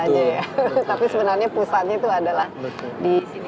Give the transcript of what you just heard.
tapi sebenarnya pusatnya itu adalah disini